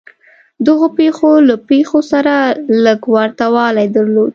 دغو پېښو له پېښو سره لږ ورته والی درلود.